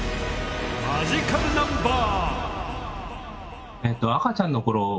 マジカルナンバー！